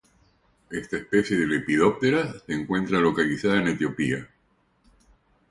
Esta especie de Lepidoptera se encuentra localizada en Etiopía.